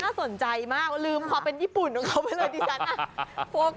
สนใจมากลืมความเป็นญี่ปุ่นของเขาไปเลยดิฉัน